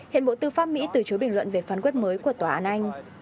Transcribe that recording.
hiện bộ tư pháp mỹ từ chối bình luận về phán quyết mới của tòa án anh